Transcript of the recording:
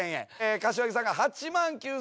柏木さんが８万９，０００円。